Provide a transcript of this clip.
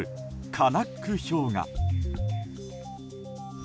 カナック氷河。